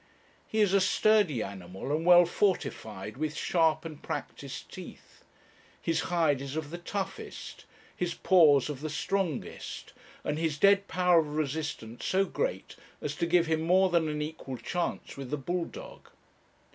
He is a sturdy animal, and well fortified with sharp and practised teeth; his hide is of the toughest; his paws of the strongest, and his dead power of resistance so great as to give him more than an equal chance with the bull dog.